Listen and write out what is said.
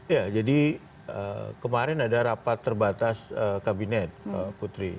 ya jadi kemarin ada rapat terbatas kabinet putri